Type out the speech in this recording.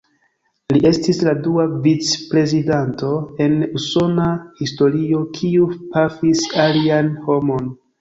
Li estis la dua vicprezidanto en Usona historio kiu pafis alian homon.